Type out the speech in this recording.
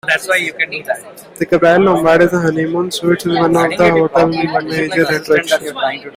The Gable-Lombard honeymoon suite is one of the hotel's major attractions.